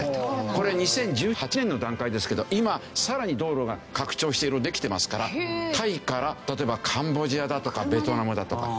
これ２０１８年の段階ですけど今更に道路が拡張していろいろできてますからタイから例えばカンボジアだとかベトナムだとか。